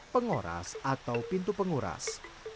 pengoras atau pintu penguras